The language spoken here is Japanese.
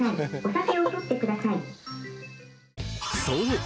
そう！